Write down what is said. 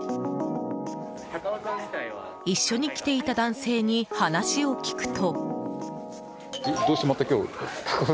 一緒に来ていた男性に話を聞くと。